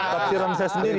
tafsiran saya sendiri